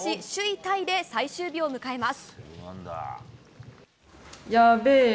タイで最終日を迎えます。